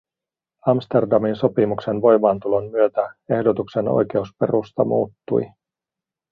Amsterdamin sopimuksen voimaantulon myötä ehdotuksen oikeusperusta muuttui.